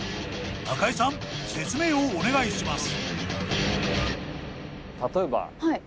中井さん説明をお願いします。